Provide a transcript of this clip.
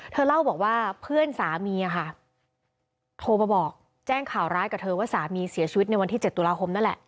เธอเล่าบอกว่าเพื่อนสามีค่ะโทรมาบอกแจ้งข่าวร้ายกับเธอว่าสามีเสียชีวิตในวันที่๗ตุลาคมนั่นแหละ